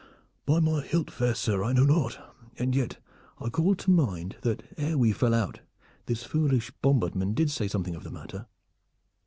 "By my hilt! fair sir, I know not. And yet I call to mind that ere we fell out this foolish bombardman did say something of the matter.